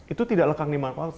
itu tidak lekang di mana mana